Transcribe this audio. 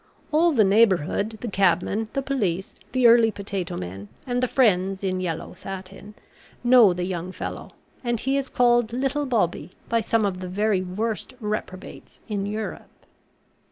All the neighbourhood, the cabmen, the police, the early potato men, and the friends in yellow satin, know the young fellow, and he is called Little Bobby by some of the very worst reprobates in Europe.